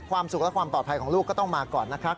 สุขและความปลอดภัยของลูกก็ต้องมาก่อนนะครับ